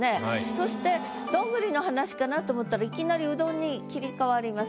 そしてどんぐりの話かなと思ったらいきなり饂飩に切り替わります。